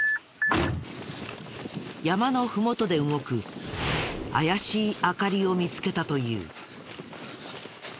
山のふもとで動く怪しい明かりを見つけたという。